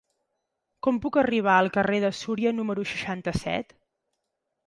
Com puc arribar al carrer de Súria número seixanta-set?